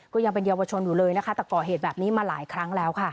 ยังเป็นเยาวชนอยู่เลยนะคะแต่ก่อเหตุแบบนี้มาหลายครั้งแล้วค่ะ